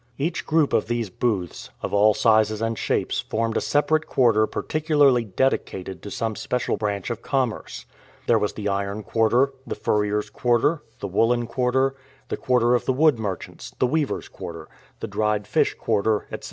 Each group of these booths, of all sizes and shapes, formed a separate quarter particularly dedicated to some special branch of commerce. There was the iron quarter, the furriers' quarter, the woolen quarter, the quarter of the wood merchants, the weavers' quarter, the dried fish quarter, etc.